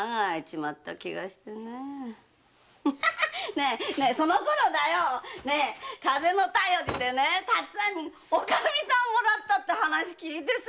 ねえそのころだよ風の便りでね辰っつぁんがおかみさんをもらったって話聞いてさァ。